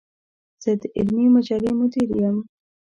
زۀ د علمي مجلې مدير يم.